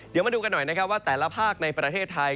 เดี๋ยวมาดูกันหน่อยนะครับว่าแต่ละภาคในประเทศไทย